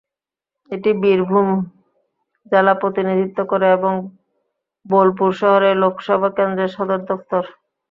এটি বীরভূম জেলা প্রতিনিধিত্ব করে এবং বোলপুর শহরে লোকসভা কেন্দ্রের সদর দফতর।